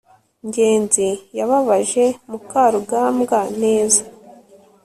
ngenzi yababaje mukarugambwa neza